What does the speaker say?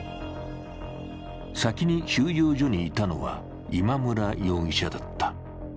先に収容所にいたのは今村容疑者だった。